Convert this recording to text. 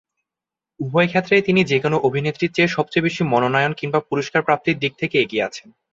উভয়ক্ষেত্রেই তিনি যে-কোন অভিনেত্রীর চেয়ে সবচেয়ে বেশি মনোনয়ন কিংবা পুরস্কার প্রাপ্তির দিক দিয়ে এগিয়ে আছেন।